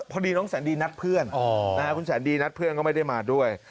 พอดีน้องแสนดีนัดเพื่อนคุณแสนดีนัดเพื่อนก็ไม่ได้มาด้วย